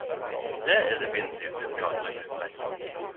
Det er definitivt eit karakteristisk trekk.